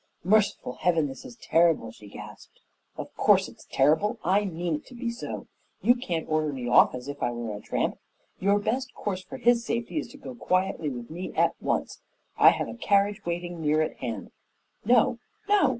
"Merciful Heaven! This is terrible," she gasped. "Of course it's terrible I mean it to be so. You can't order me off as if I were a tramp. Your best course for his safety is to go quietly with me at once. I have a carriage waiting near at hand." "No, no!